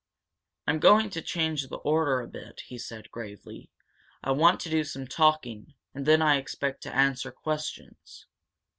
"I'm going to change the order a bit," he said, gravely. "I want to do some talking, and then I expect to answer questions.